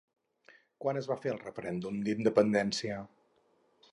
Quan es va fer el referèndum d'independència?